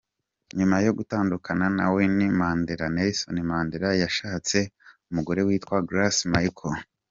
Nyuma yo gutandukana na Winnie Mandela, Nelson Mandela yashatse umugore witwa Graca Machel.